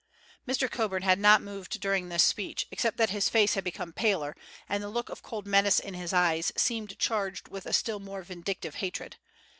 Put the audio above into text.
Mr. Coburn had not moved during this speech, except that his face had become paler and the look of cold menace in his eyes seemed charged with a still more vindictive hatred.